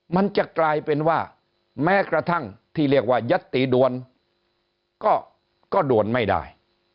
มันจะกลายเป็นว่าแม้กระทั่งที่เรียกว่ายัตตีด่วนก็ด่วนไม่ได้